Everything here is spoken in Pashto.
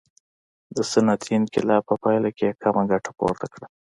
د صنعتي انقلاب په پایله کې یې کمه ګټه پورته کړه.